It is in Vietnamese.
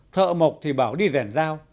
thợ mộc thì bảo đi rèn dao